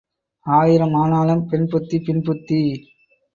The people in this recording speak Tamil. ஆயிரம் ஆனாலும் பெண் புத்தி பின்புத்தி.